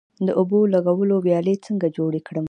د اوبو لګولو ویالې څنګه جوړې کړم؟